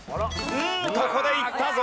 ここでいったぞ。